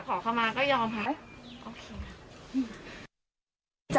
แค่กลับหอเข้ามาก็ยอมค่ะ